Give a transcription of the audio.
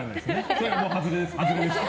それもう外れです。